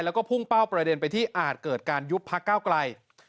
แล้วก็พุ่งเป้าประเด็นไปที่อาจเกิดการยุบพักก้าวไกล